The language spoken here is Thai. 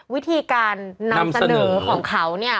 วิธีการนำเสนอของเขาเนี่ย